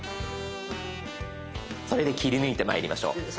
それで切り抜いてまいりましょう。